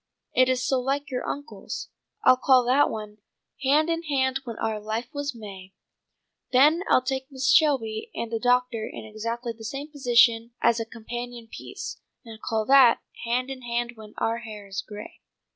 It is so like your uncle's. I'll call that one 'Hand in hand when our life was May.' Then I'll take Mrs. Shelby and the doctor in exactly the same position as a companion piece, and call that '_Hand in hand when our hair is gray.